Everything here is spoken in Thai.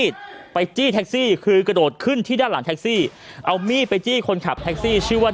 ไปจี้แท็กซี่คือกระโดดขึ้นที่ด้านหลังแท็กซี่เอามีดไปจี้คนขับแท็กซี่ชื่อว่า